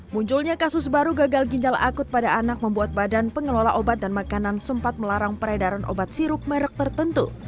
munculnya kasus baru gagal ginjal akut pada anak membuat badan pengelola obat dan makanan sempat melarang peredaran obat sirup merek tertentu